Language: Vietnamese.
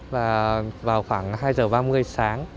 và vào khoảng hai h ba mươi sáng